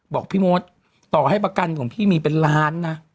บอกพี่มดต่อให้ประกันของพี่มีเป็นล้านนะ